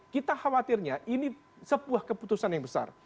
kita khawatirnya ini sebuah keputusan yang besar